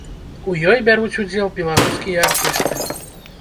У ёй бяруць удзел беларускія артысты.